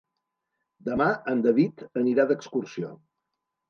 Demà en David anirà d'excursió.